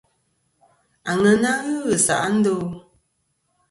Aŋena ghɨ ghɨ se'a ndo ?